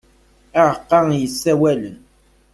Aɛeqqa yessawalen.